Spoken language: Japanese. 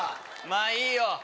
まぁいいよ。